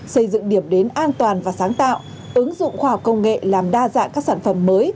xây dựng điểm đến an toàn và sáng tạo ứng dụng khoa học công nghệ làm đa dạng các sản phẩm mới